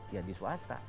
ya di swasta